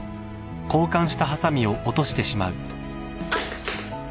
あっ。